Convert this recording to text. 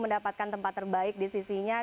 mendapatkan tempat terbaik di sisinya